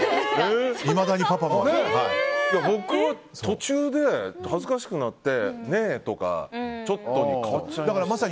僕は途中で恥ずかしくなってねえ、とか、ちょっとに変わっちゃいました。